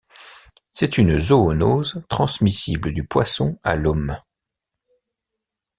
C'est une zoonose transmissible du poisson à l'homme.